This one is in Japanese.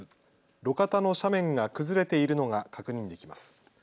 路肩の斜面が崩れているのが確認できます。